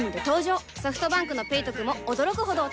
ソフトバンクの「ペイトク」も驚くほどおトク